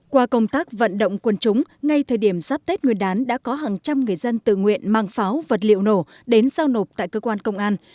qua công tác vận động quân chúng ngay thời điểm giáp tết nguyên đán đã có hàng trăm người dân tự nguyện mang pháo vật liệu nổ đến giao nộp tại cơ quan công an